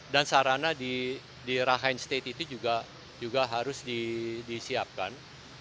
dan sarana di rakhine state itu juga harus disiapkan